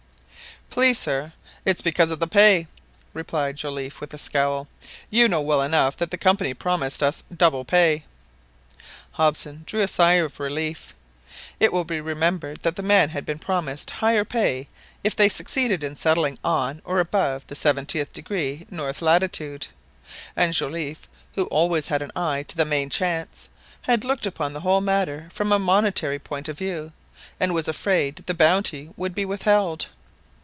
"Please, sir, it's because of the pay," replied Joliffe with a scowl. "You know well enough that the Company promised us double pay." Hobson drew a sigh of relief. It will be remembered that the men had been promised higher pay if they succeeded in settling on or above the seventieth degree north latitude, and Joliffe, who always had an eye to the main chance, had looked upon the whole matter from a monetary point of view, and was afraid the bounty would be withheld.